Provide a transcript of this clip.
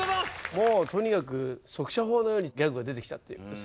もうとにかく速射砲のようにギャグが出てきたっていうですね。